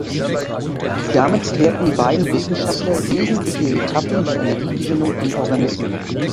Damit klärten die beiden Wissenschaftler wesentliche Etappen der Energiegewinnung in Organismen.